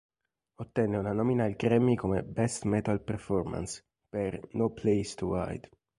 Ottenne una nomina ai Grammy come Best Metal Performance, per "No Place to Hide".